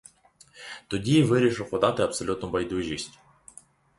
Тоді вирішив удати абсолютну байдужість.